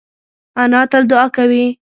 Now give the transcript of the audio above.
انا تل دعا کوي